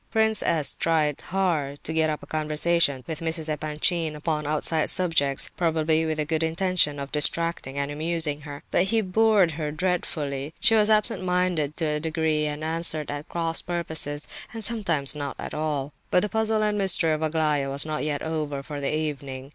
Prince S. tried hard to get up a conversation with Mrs. Epanchin upon outside subjects, probably with the good intention of distracting and amusing her; but he bored her dreadfully. She was absent minded to a degree, and answered at cross purposes, and sometimes not at all. But the puzzle and mystery of Aglaya was not yet over for the evening.